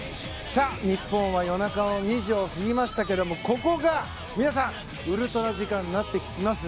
さあ、日本は夜中の２時を過ぎましたけどもここが皆さんウルトラ時間になってきます。